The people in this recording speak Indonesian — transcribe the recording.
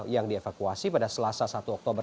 yang dievakuasi pada selasa satu oktober